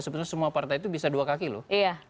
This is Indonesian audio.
sebetulnya semua partai itu bisa dua kaki loh